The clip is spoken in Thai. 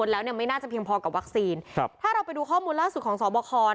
แล้วไม่น่าจะเพียงพอกับวัคซีนถ้าเราไปดูข้อมูลล่าสุดของศพค